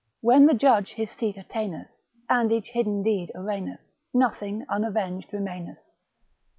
When the Judge his seat attaineth, And each hidden deed arraigneth, Nothing unayenged remaineth.